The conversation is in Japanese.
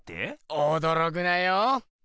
おどろくなよ！